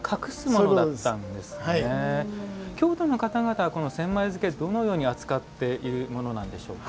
京都の方々は千枚漬どのように扱っているものなんでしょうか。